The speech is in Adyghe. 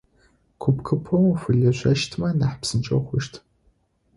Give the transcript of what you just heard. Куп-купэу шъулэжьэщтмэ нахь псынкӏэ хъущт.